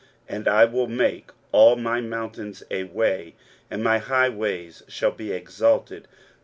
23:049:011 And I will make all my mountains a way, and my highways shall be exalted.